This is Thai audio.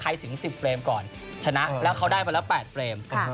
ใครถึงสิบเฟรมก่อนชนะแล้วเขาได้ไปละแปดเฟรมค่ะ